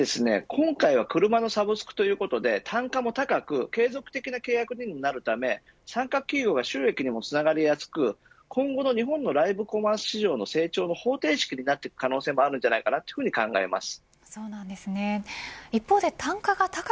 今回は車のサブスクということで単価も高く継続的な契約にもなるため参画企業が収益にもつながりやすく今後の日本のライブコマース市場の成長の方程式になっていく可能性もあると考えます。